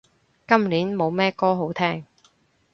今年冇咩歌好聼